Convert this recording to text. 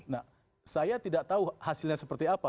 nah saya tidak tahu hasilnya seperti apa